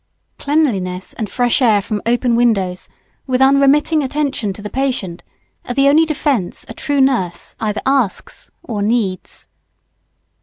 Cleanliness and fresh air from open windows, with unremitting attention to the patient, are the only defence a true nurse either asks or needs.